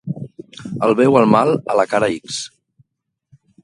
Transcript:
El bé o el mal a la cara ix.